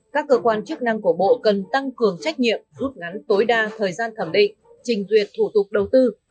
các cơ quan chức năng của bộ cần tăng cường trách nhiệm rút ngắn tối đa thời gian thẩm định trình duyệt thủ tục đầu tư